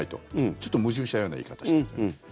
ちょっと矛盾したような言い方してるんです。